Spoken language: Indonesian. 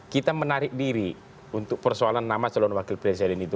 kita menarik diri untuk persoalan nama calon wakil presiden itu